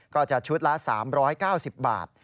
ก็จะชุดละ๓๙๐บาท